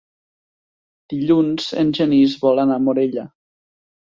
Dilluns en Genís vol anar a Morella.